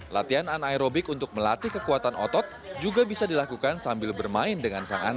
latihan anaerobik untuk melatih kekuatan otot juga bisa dilakukan sambil bermain dengan sang anak